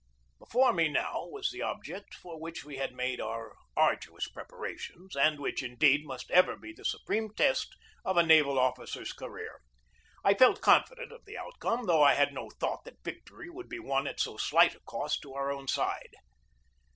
Before me now was the object for which we had made our arduous preparations, and which, indeed, must ever be the supreme test of a naval officer's career. I felt confident of the outcome, though I had no thought that victory would be won at so slight a cost to our own side.